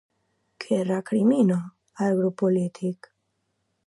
Què recrimina el grup polític?